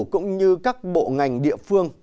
cũng như các bộ ngành địa phương